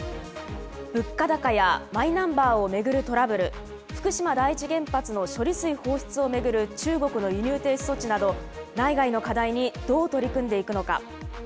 物価高やマイナンバーを巡るトラブル、福島第一原発の処理水放出を巡る中国の輸入停止措置など内外の課題にどう取り組んでいくのか。